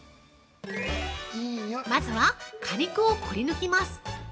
まずは、果肉をくり抜きます。